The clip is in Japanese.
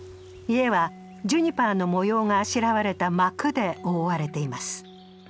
家はジュニパーの模様があしらわれた幕で覆われています。